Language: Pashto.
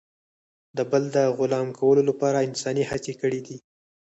د بل د غلام کولو لپاره انسان هڅې کړي دي.